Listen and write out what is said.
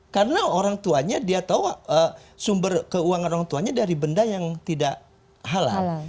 karena orang tuanya dia tahu sumber keuangan orang tuanya dari benda yang tidak halal